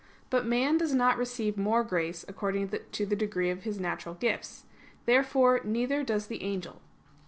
But man does not receive more grace according to the degree of his natural gifts. Therefore neither does the angel.